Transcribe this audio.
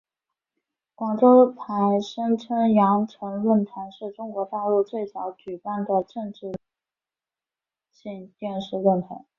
广州台声称羊城论坛是中国大陆最早举办的政论性电视论坛。